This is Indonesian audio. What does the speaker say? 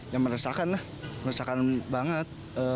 ya meresahkan lah meresahkan banget